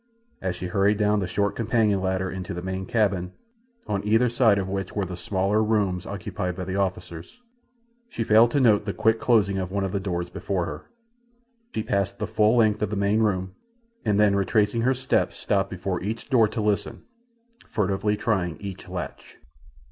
As she hurried down the short companion ladder into the main cabin, on either side of which were the smaller rooms occupied by the officers, she failed to note the quick closing of one of the doors before her. She passed the full length of the main room, and then retracing her steps stopped before each door to listen, furtively trying each latch.